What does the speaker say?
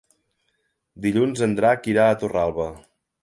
Dilluns en Drac irà a Torralba.